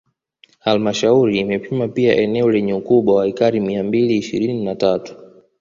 Halmashauri imepima pia eneo lenye ukubwa wa ekari mia mbili ishirini na tatu